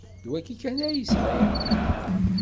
D wayi kan ay sɛiɣ.